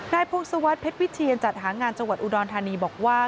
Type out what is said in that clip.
พงศวรรษเพชรวิเทียนจัดหางานจังหวัดอุดรธานีบอกว่า